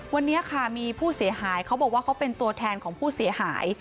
วันนี้ค่ะมีผู้เสียหายเขาบอกว่าเขาเป็นตัวแทนของผู้เสียหาย